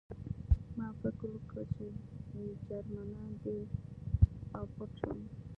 ما فکر وکړ چې جرمنان دي او پټ شوم